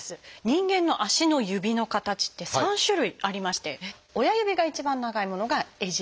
人間の足の指の形って３種類ありまして親指が一番長いものが「エジプト型」。